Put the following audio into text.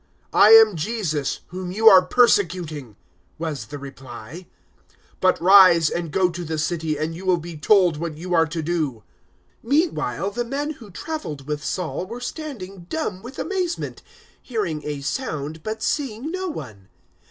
"I am Jesus, whom you are persecuting," was the reply. 009:006 "But rise and go to the city, and you will be told what you are to do. 009:007 Meanwhile the men who travelled with Saul were standing dumb with amazement, hearing a sound, but seeing no one.